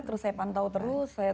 terus saya pantau terus